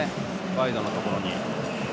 ワイドのところに。